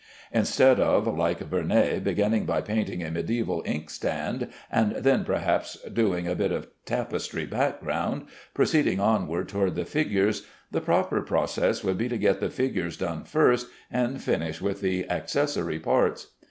Instead of (like Vernet) beginning by painting a mediæval inkstand, and then perhaps doing a bit of tapestry background, proceeding onward toward the figures, the proper process would be to get the figures done first, and finish with the accessory parts.